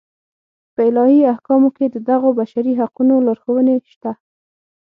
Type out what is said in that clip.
په الهي احکامو کې د دغو بشري حقونو لارښوونې شته.